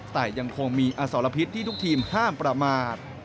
แต่ยังคงมีอสรพิษที่ทุกทีมห้ามประมาท